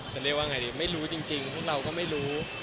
จะเรียกว่าไงดีไม่รู้จริงพวกเราก็ไม่รู้